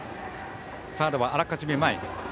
サードはあらかじめ前。